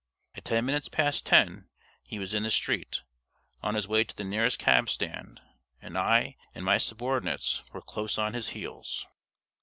At ten minutes past ten he was in the street, on his way to the nearest cab stand, and I and my subordinates were close on his heels.